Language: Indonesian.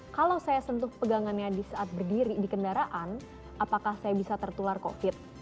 kalau saya sentuh pegangannya di saat berdiri di kendaraan apakah saya bisa tertular covid